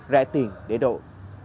rẻ tiền để đổi